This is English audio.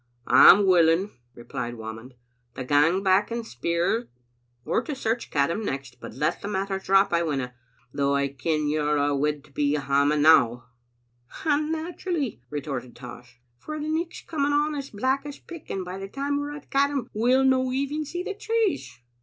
" I'm willing," replied Whamond, "to gang back and speir, or to search Caddam next; but let the matter drop I winna, though I ken you're a' awid to be hame now." "And naturally," retorted Tosh, "for the nichfs coming on as black as pick, and by the time we're at Caddam we'll no even see the trees."